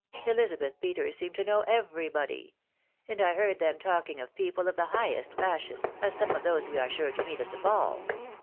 'Elisabeth Peter* seemed to knew every body ; aad 1 heard them talking of people of the highest fashion, as some of those we are sure to meet at the ball.